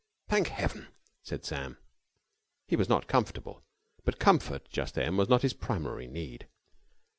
"Thank heaven!" said Sam. He was not comfortable, but comfort just then was not his primary need.